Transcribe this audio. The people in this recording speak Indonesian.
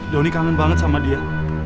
doni kangen banget sama dia